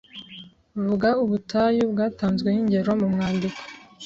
Vuga ubutayu bwatanzweho ingero mu mwandiko